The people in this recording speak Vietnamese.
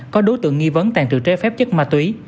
có đối tượng nghi vấn tàn trữ trái phép chất ma túy